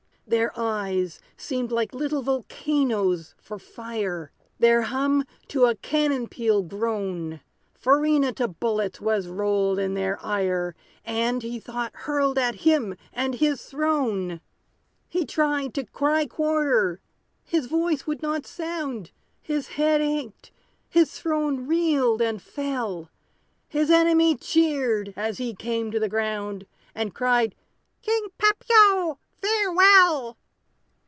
Their eyes seemed like little volcanoes, for fire, Their hum, to a cannon peal grown, Farina to bullets was rolled in their ire, And, he thought, hurled at him and his throne. He tried to cry quarter! his voice would not sound, His head ached his throne reeled and fell; His enemy cheered, as he came to the ground, And cried, "King Papilio, farewell!"